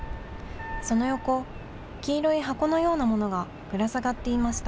その横、黄色い箱のようなものがぶら下がっていました。